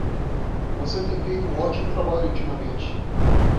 Você tem feito um ótimo trabalho ultimamente.